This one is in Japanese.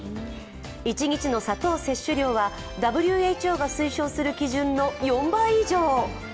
一日の砂糖摂取量はＷＨＯが推奨する基準の４倍以上。